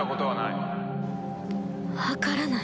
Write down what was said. わからない